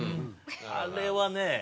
あれはね